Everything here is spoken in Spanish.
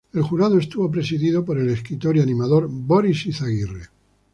El jurado estuvo presidido por el escritor y animador Boris Izaguirre.